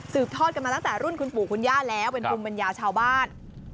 ทอดกันมาตั้งแต่รุ่นคุณปู่คุณย่าแล้วเป็นภูมิปัญญาชาวบ้าน